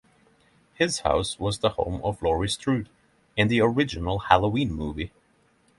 His house was the home of Laurie Strode in the original "Halloween" movie.